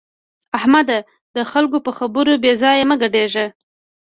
احمده! د خلګو په خبرو بې ځایه مه ګډېږه.